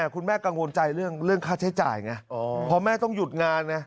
คุณแม่กังวลใจเรื่องค่าใช้จ่ายไงพอแม่ต้องหยุดงานไง